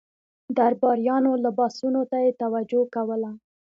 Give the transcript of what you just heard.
درباریانو لباسونو ته یې توجه کوله.